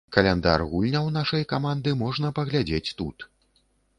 Каляндар гульняў нашай каманды можна паглядзець тут.